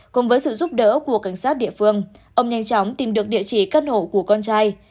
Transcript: cùng với sự giúp đỡ của cảnh sát địa phương ông nhanh chóng tìm được địa chỉ căn hộ của con trai